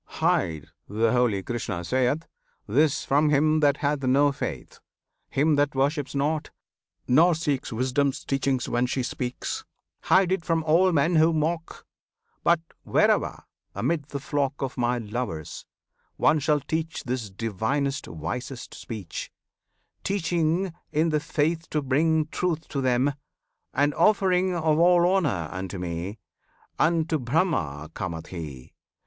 [Hide, the holy Krishna saith, This from him that hath no faith, Him that worships not, nor seeks Wisdom's teaching when she speaks: Hide it from all men who mock; But, wherever, 'mid the flock Of My lovers, one shall teach This divinest, wisest, speech Teaching in the faith to bring Truth to them, and offering Of all honour unto Me Unto Brahma cometh he!